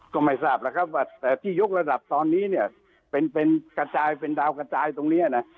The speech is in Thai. ก็ไม่ทราบแล้วครับว่าแต่ที่ยกระดับตอนนี้เนี่ยเป็นกระจายเป็นดาวกระจายตรงนี้นะ